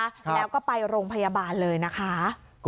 แล้วก็ไปโรงพยาบาลเลยนะคะ